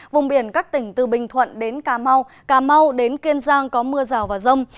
vùng biển các tỉnh từ bình thuận đến cà mau cà mau đến kiên giang có mưa rào và rông